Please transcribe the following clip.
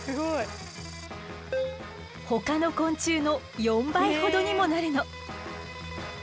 ほかの昆虫の４倍ほどにもなるの！